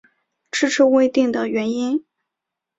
迟迟未定的原因